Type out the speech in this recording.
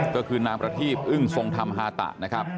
ก็คือนางประทีพอึ้งทรงธรรมฮาตะนะครับ